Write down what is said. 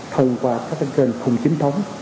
thông qua các tên kênh không chính thống